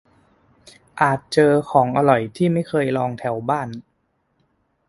- อาจเจอของอร่อยที่ไม่เคยลองแถวบ้าน